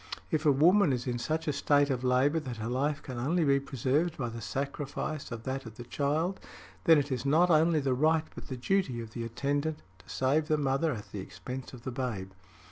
If a woman is in such a state of labor that her life can only be preserved by the sacrifice of that of the child, then it is not only the right but the duty of the attendant to save the mother at the expense of the babe.